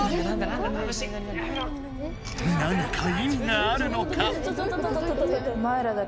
何かいみがあるのか？